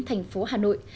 tp hà nội